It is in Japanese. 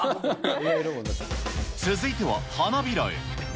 続いては花びらへ。